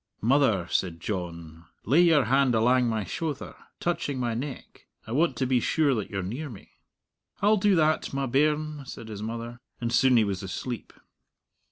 "Mother," said John, "lay your hand alang my shouther, touching my neck. I want to be sure that you're near me." "I'll do that, my bairn," said his mother. And soon he was asleep.